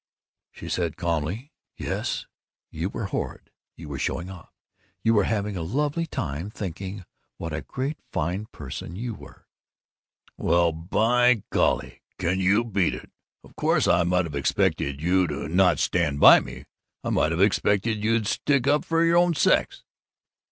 She said calmly, "Yes. You were horrid. You were showing off. You were having a lovely time thinking what a great fine person you were!" "Well, by golly! Can you beat it! Of course I might of expected you to not stand by me! I might of expected you'd stick up for your own sex!"